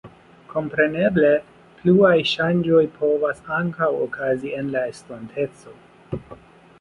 Kompreneble, pluaj ŝanĝoj povas ankaŭ okazi en la estonteco.